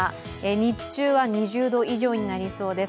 日中は２０度以上になりそうです。